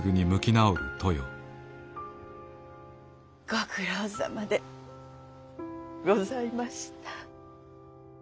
ご苦労さまでございました。